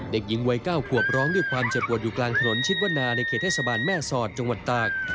เด็กหญิงวัย๙ขวบร้องด้วยความเจ็บปวดอยู่กลางถนนชิดวนาในเขตเทศบาลแม่สอดจังหวัดตาก